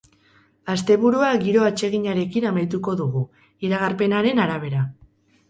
Asteburua giro atseginarekin amaituko dugu, iragarpenaren arabera.